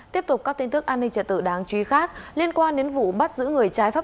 tiếp tục các tin tức an ninh trật tự đáng chú ý khác liên quan đến vụ bắt giữ người trái phép